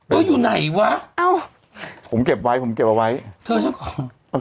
อยู่ไหนวะเอ้าผมเก็บไว้ผมเก็บเอาไว้เธอฉันขอ